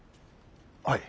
はい。